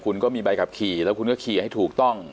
คุณก็มีใบขับขี่แล้วคุณก็ขี่ให้ถูกต้อง